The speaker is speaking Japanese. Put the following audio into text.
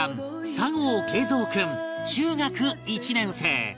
左合桂三君中学１年生